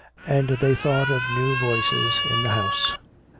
And they thought of new voices in the house.